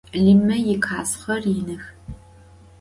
Lime yikhazxer yinıx.